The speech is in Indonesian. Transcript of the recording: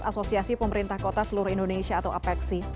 asosiasi pemerintah kota seluruh indonesia atau apexi